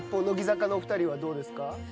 乃木坂のお二人はどうですか？